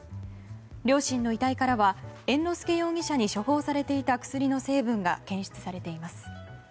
両親の遺体からは猿之助容疑者に処方されていた薬の成分が検出されています。